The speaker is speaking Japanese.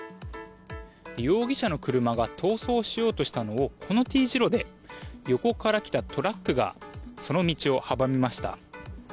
容疑者の車が逃走しようとしたのをこのＴ字路で横から来たトラックがその道を阻みました。